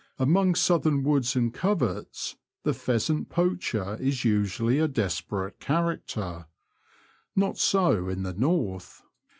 Among southern woods and coverts the pheasant poacher is usually a desperate character ; not so in the north.